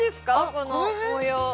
この模様